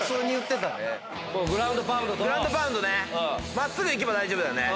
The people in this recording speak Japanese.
真っ直ぐいけば大丈夫だよね。